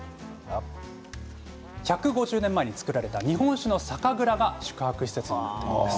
１５０年前に造られた日本酒の酒蔵が宿泊施設なんです。